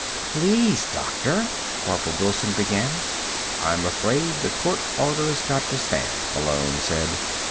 "Please, doctor," Barbara Wilson began. "I'm afraid the court order's got to stand," Malone said.